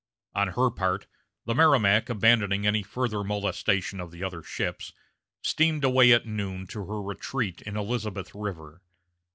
On her part, the Merrimac, abandoning any further molestation of the other ships, steamed away at noon to her retreat in Elizabeth River.